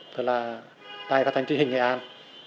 tức là tài phát hành truyền hình nghệ an